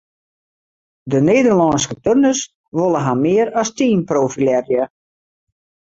De Nederlânske turners wolle har mear as team profilearje.